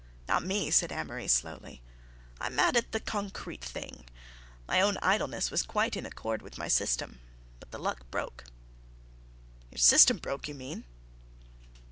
"Not me," said Amory slowly; "I'm mad at the concrete thing. My own idleness was quite in accord with my system, but the luck broke." "Your system broke, you mean."